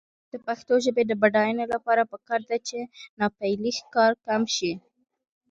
د پښتو ژبې د بډاینې لپاره پکار ده چې ناپییلي ښکار کم شي.